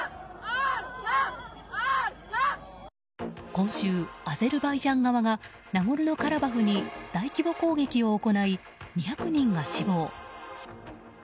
今週、アゼルバイジャン側がナゴルノカラバフに大規模攻撃を行い２００人が死亡。